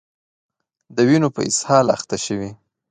د وینو په اسهال اخته شوي